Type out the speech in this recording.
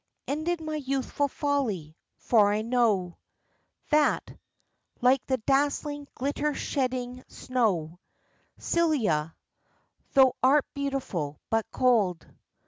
Ended my youthful folly! for I know That, like the dazzling, glister shedding snow, Celia, thou art beautiful, but cold.